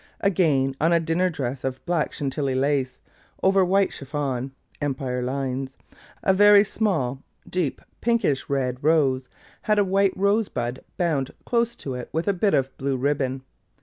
Again on a dinner dress of black Chantilly lace, over white chiffon (Empire lines), a very small, deep pinkish red rose had a white rose bud bound close to it with a bit of blue ribbon.